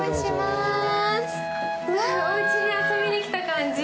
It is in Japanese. おうちに遊びに来た感じ。